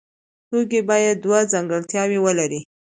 توکی باید دوه ځانګړتیاوې ولري.